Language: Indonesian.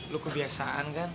lu kebiasaan kan